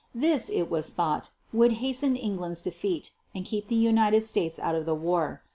This, it was thought, would hasten England's defeat, and keep the United States out of the war.